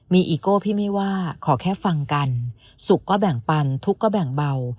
มีอีโก้พี่ไม่ว่าขอแค่ฟังกันสุขก็แบ่งปันทุกข์ก็แบ่งเบา